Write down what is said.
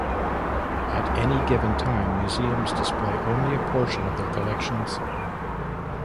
At any given time, museums display only a portion of their collections.